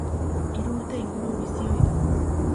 Hiru urte inguru bizi ohi da.